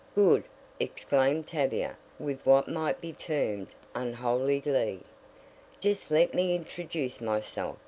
"Good!" exclaimed Tavia, with what might be termed "unholy glee." "Just let me introduce myself!"